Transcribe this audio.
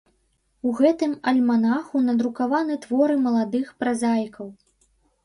У гэтым альманаху надрукаваны творы маладых празаікаў.